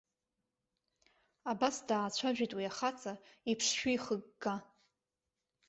Абас даацәажәеит уи ахаҵа, иԥшшәы ихыгга.